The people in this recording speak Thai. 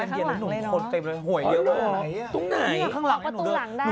ต้องใส่เช้าสอนกว่าข้างหลังเลยนะ